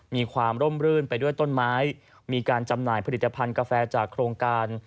ความร่มรื่นไปด้วยต้นไม้มีการจำหน่ายผลิตภัณฑ์กาแฟจากโครงการ